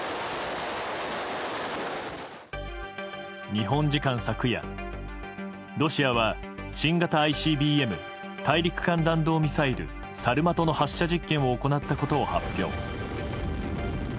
日本時間昨夜、ロシアは新型ＩＣＢＭ・大陸間弾道ミサイルサルマトの発射実験を行ったことを発表。